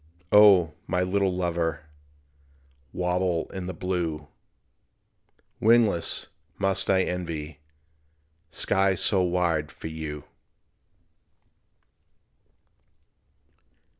O, my little lover, Warble in the blue; Wingless must I envy Skies so wide for you.